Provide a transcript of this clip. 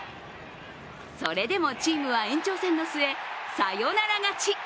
それでもチームは延長戦の末サヨナラ勝ち。